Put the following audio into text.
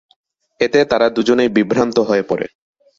এতে তারা দুজনেই বিভ্রান্ত হয়ে পড়ে।